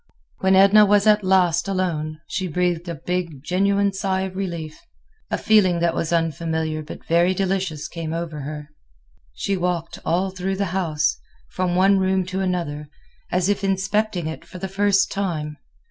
When Edna was at last alone, she breathed a big, genuine sigh of relief. A feeling that was unfamiliar but very delicious came over her. She walked all through the house, from one room to another, as if inspecting it for the first time.